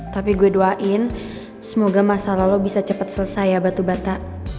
tapi gue doain semoga masalah lo bisa cepet selesai ya batu bata